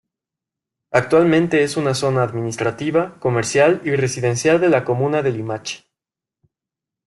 Actualmente es una zona administrativa, comercial y residencial de la comuna de Limache.